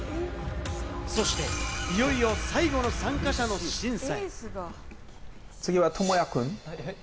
そしていよいよ最後の参加者の審査。